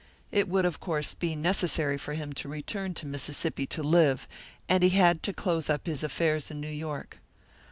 It would, of course, be necessary for him to return to Mississippi to live, and he had to close up his affairs in New York.